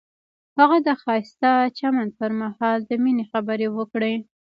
هغه د ښایسته چمن پر مهال د مینې خبرې وکړې.